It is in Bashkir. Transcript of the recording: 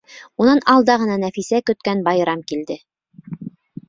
Унан алда ғына Нәфисә көткән байрам килде.